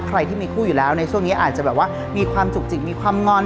ใครที่มีคู่อยู่แล้วในช่วงนี้อาจจะแบบว่ามีความจุกจิกมีความงอน